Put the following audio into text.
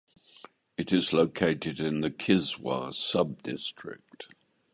It is located in the Kiswah subdistrict.